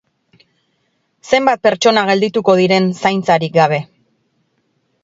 Zenbat pertsona geldituko diren zaintzarik gabe!